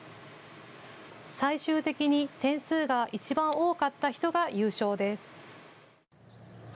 最終的に点数がいちばん多かった人が優勝です。